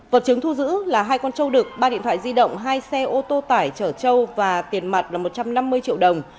vật chứng thu giữ là hai con trâu đực ba điện thoại di động hai xe ô tô tải trở trâu và tiền mặt là một trăm năm mươi triệu đồng